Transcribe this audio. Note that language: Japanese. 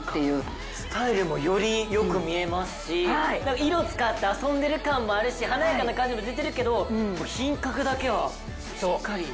スタイルもより良く見えますし色使って遊んでる感もあるし華やかな感じも出てるけど品格だけはしっかり。